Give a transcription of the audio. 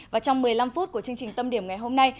và trong một mươi năm phút của chương trình tâm điểm ngày hôm nay